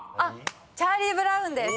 「チャーリー・ブラウン」です。